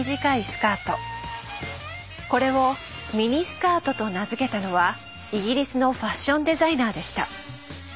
これを「ミニスカート」と名付けたのはイギリスのファッションデザイナーでした。